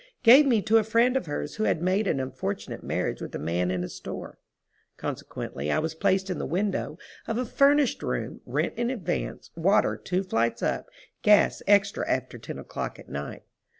—gave me to a friend of hers who had made an unfortunate marriage with a man in a store. Consequently I was placed in the window of a furnished room, rent in advance, water two flights up, gas extra after ten o'clock at night.